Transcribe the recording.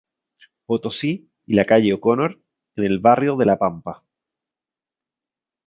Potosí y la calle O'Connor, en el barrio de "La Pampa".